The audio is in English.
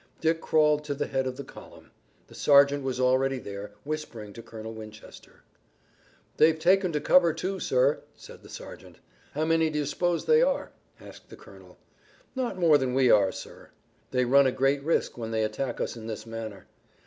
Dick crawled to the head of the column. The sergeant was already there, whispering to Colonel Winchester. "They've taken to cover, too, sir," said the sergeant. "How many do you suppose they are?" asked the colonel. "Not more than we are, sir." "They run a great risk when they attack us in this manner."